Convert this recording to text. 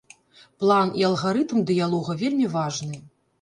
План і алгарытм дыялога вельмі важны.